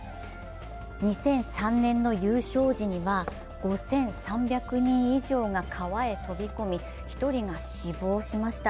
２００３年の優勝時には５３００人以上が川へ飛び込み、１人が死亡しました。